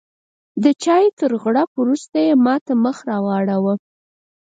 د چایو تر غوړپ وروسته یې ماته مخ راواړوه.